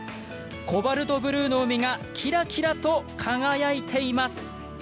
コバルトブルーの海がキラキラと輝いています。